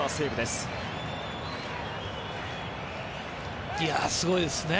すごいですね。